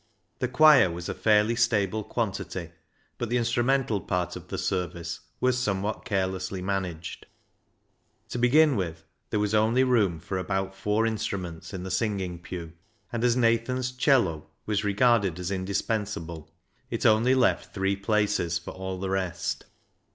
The choir was a fairly stable quantity, but the instrumental part of the service was somewhat carelessly managed. To begin with, there was only room for about four instruments in the singing pew, and as Nathan's " 'cello " was re garded as indispensable, it only left three places for all the rest.